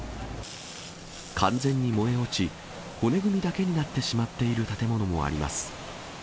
完全に燃え落ち、骨組みだけになってしまっている建物もあります。